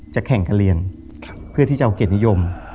แข่งการเรียนเพื่อที่จะเอาเกียรตินิยม